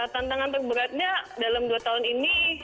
tantangan terberatnya dalam dua tahun ini